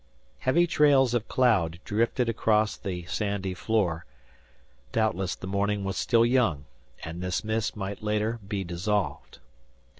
Heavy trails of cloud drifted across the sandy floor. Doubtless the morning was still young, and this mist might later be dissolved.